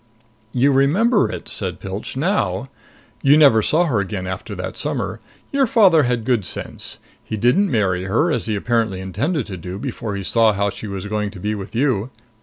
"You remember it," said Pilch, "now. You never saw her again after that summer. Your father had good sense. He didn't marry her, as he apparently intended to do before he saw how she was going to be with you.